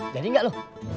jadi gak lu